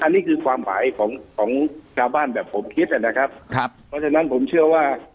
อันนี้คือความหมายของของชาวบ้านแบบผมคิดนะครับครับเพราะฉะนั้นผมเชื่อว่า